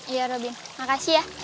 iya robin makasih ya